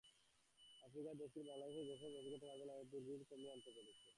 আফ্রিকার দেশগুলো বাংলাদেশের সেসব অভিজ্ঞতা কাজে লাগিয়ে দুর্যোগের ক্ষতি কমিয়ে আনতে পেরেছে।